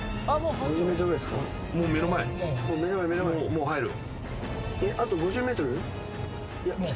もう入る。